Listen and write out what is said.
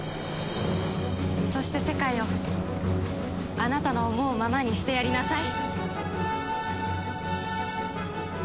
そして世界をあなたの思うままにしてやりなさい。